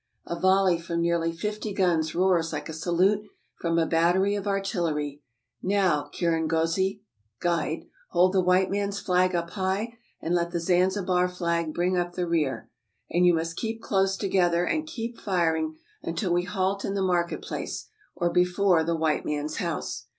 " A volley from nearly fifty guns roars like a salute from a battery of artillery. '' Now, Kirangozi (guide), hold the white man's flag up high, and let the Zanzibar flag bring up the rear. And you must keep close together, and keep firing until we halt in the market place, or before the white man's house.